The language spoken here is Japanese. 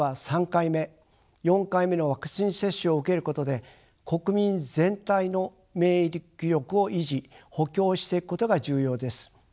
３回目４回目のワクチン接種を受けることで国民全体の免疫力を維持・補強していくことが重要です。